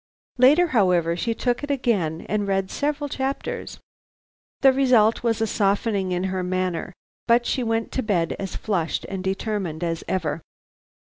Later, however, she took it again and read several chapters. The result was a softening in her manner, but she went to bed as flushed and determined as ever.